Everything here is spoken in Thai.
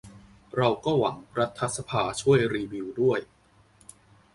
เราก็หวังรัฐสภาช่วยรีวิวด้วย